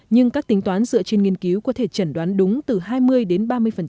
nhưng các tính toán dựa trên nghiên cứu có thể chẩn đoán đúng từ hai mươi đến ba mươi